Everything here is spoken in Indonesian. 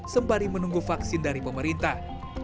sembari menunggu vaksin dari pemerintah